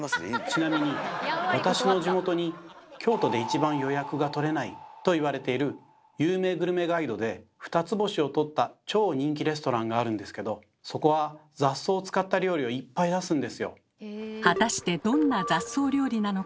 ちなみに私の地元に京都で一番予約が取れないといわれている有名グルメガイドで２つ星を取った超人気レストランがあるんですけどそこは果たしてどんな雑草料理なのか？